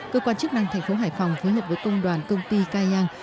cơ quan chức năng thành phố hải phòng phối hợp với công đoàn công ty cai giang